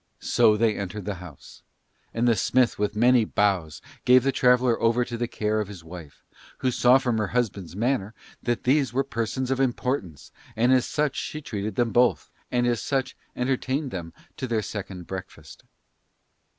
So they entered the house, and the smith with many bows gave the travellers over to the care of his wife, who saw from her husband's manner that these were persons of importance and as such she treated them both, and as such entertained them to their second breakfast.